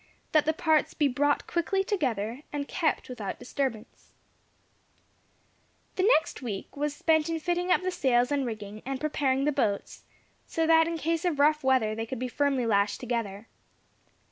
that the parts be brought quickly together, and kept without disturbance. The next week was spent in fitting up the sails and rigging, and preparing the boats, so that in case of rough weather they could be firmly lashed together.